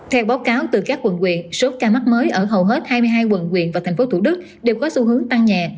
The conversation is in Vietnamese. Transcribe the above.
theo báo cáo từ các quận quyện số ca mắc mới ở hầu hết hai mươi hai quận quyện và tp thủ đức đều có xu hướng tăng nhẹ